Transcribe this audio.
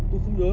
vé không đúng